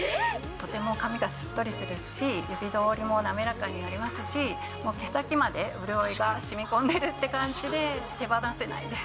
とても髪がしっとりするし指通りも滑らかになりますし毛先まで潤いがしみこんでるって感じで手放せないです